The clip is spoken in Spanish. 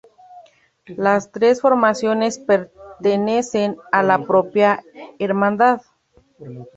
Las tres formaciones pertenecen a la propia hermandad.